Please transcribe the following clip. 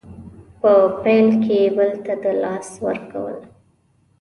په پیل کې بل ته د لاس ورکول